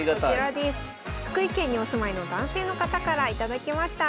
福井県にお住まいの男性の方から頂きました。